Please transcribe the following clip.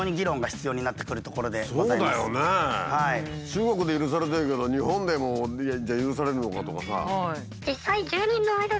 中国で許されてるけど日本でもじゃあ許されるのかとかさ。